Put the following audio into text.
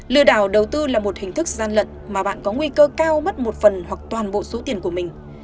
lừa đảo đầu tư là một hình thức gian lận mà bạn có nguy cơ cao mất một phần hoặc toàn bộ số tiền của mình